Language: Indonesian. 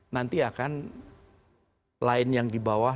nanti akan lain yang di bawah